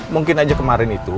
mungkin aja kemarin itu